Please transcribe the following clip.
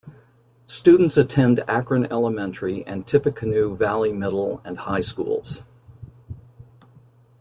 Students attend Akron Elementary and Tippecanoe Valley Middle and High Schools.